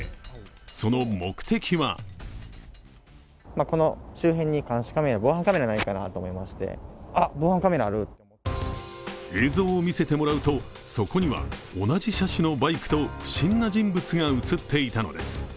その目的は映像を見せてもらうと、そこには同じ車種のバイクと不審な人物が映っていたのです。